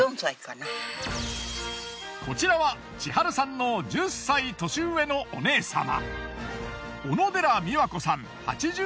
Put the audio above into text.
こちらは千春さんの１０歳年上のお姉さま。